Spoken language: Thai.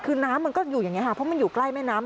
คือน้ำมันก็อยู่อย่างนี้ค่ะเพราะมันอยู่ใกล้แม่น้ำ